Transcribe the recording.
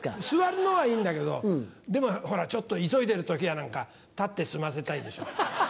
座るのはいいんだけどでもちょっと急いでる時なんか立って済ませたいでしょ。